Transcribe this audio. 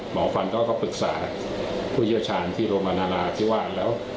หมอควัลร์ปรึกษาผู้เยี้ยวชาญที่โรภนาราธิวาสแล้ว